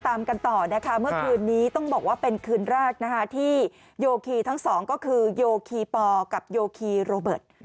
ตามกันต่อนะคะเมื่อคืนนี้ต้องบอกว่าเป็นคืนแรกนะคะที่โยคีทั้งสองก็คือโยคีปอกับโยคีโรเบิร์ต